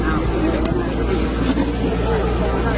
แต่คุณน้องกำลังไปขอบคุณ